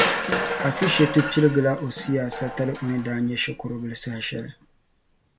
Afishetu piligila o siyaasa tali o ni daa na nya shikuru bila saha shɛli.